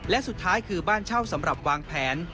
และสุดท้ายคือบ้านเช่าสำหรับวางแผน